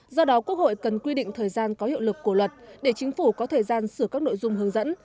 do đó quốc hội cần quy định thời gian có hiệu lực của luật để chính phủ có thời gian sửa các nội dung hướng dẫn